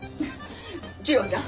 次郎ちゃん